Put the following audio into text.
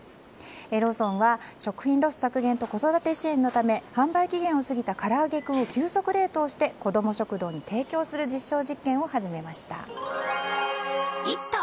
ローソンは食品ロス削減と子育て支援のため販売期限を過ぎたからあげクンを急速冷凍して子ども食堂に提供する実証実験を始めました。